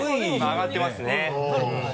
上がってますね。